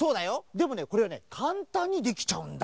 でもねこれはねかんたんにできちゃうんだ。